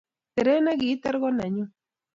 Teret nigiteer ko nenyu